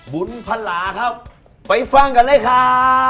บุญพลาครับไปฟังกันเลยครับ